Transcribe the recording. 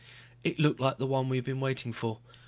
It looked like the one we had been waiting for.